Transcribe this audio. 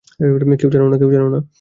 কেউ জানো না?